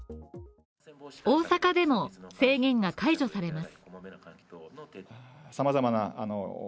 大阪でも制限が解除されます